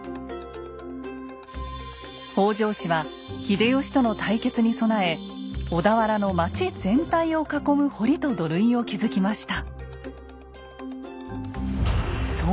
北条氏は秀吉との対決に備え小田原の町全体を囲む堀と土塁を築きました。